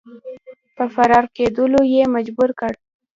په فرار کېدلو یې مجبور کړ.